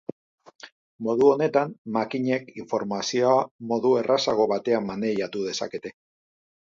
Modu honetan, makinek informazioa modu errazago batean maneiatu dezakete.